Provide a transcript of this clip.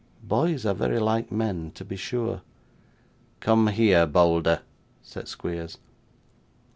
Boys are very like men to be sure. 'Come here, Bolder,' said Squeers.